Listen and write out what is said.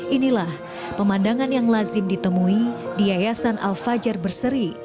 inilah pemandangan yang lazim ditemui di yayasan al fajar berseri